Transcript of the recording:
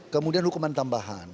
kemudian hukuman tambahan